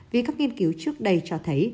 vì các nghiên cứu trước đây cho thấy